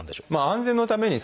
安全のために。